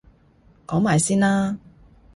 講埋先啦！